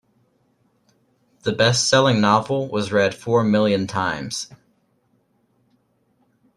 The bestselling novel was read four million times.